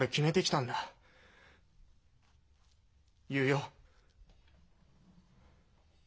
言うよ。